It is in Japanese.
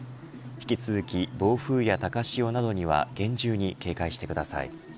引き続き、暴風や高潮などには厳重に警戒してください。